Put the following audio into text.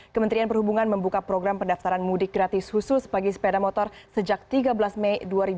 kementerian perhubungan membuka program pendaftaran mudik gratis khusus bagi sepeda motor sejak tiga belas mei dua ribu dua puluh